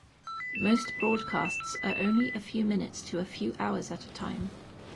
Most broadcasts are only a few minutes to a few hours at a time.